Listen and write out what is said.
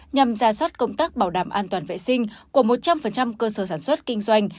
nhằm ra soát công tác bảo đảm an toàn vệ sinh của một trăm linh cơ sở sản xuất kinh doanh